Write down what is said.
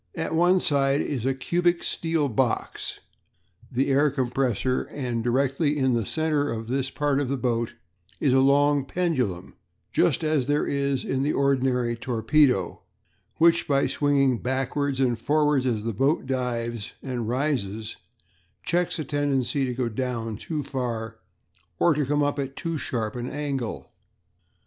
"At one side is a cubic steel box the air compressor; and directly in the centre of this part of the boat is a long pendulum, just as there is in the ordinary torpedo, which, by swinging backwards and forwards as the boat dives and rises, checks a tendency to go too far down, or to come up at too sharp an angle.